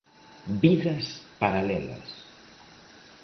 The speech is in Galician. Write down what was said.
Vidas paralelas.